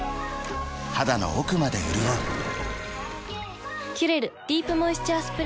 肌の奥まで潤う「キュレルディープモイスチャースプレー」